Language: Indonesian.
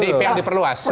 pdip yang diperluas